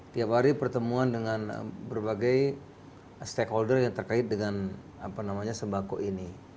tiap hari pertemuan dengan berbagai stakeholder yang terkait dengan sembako ini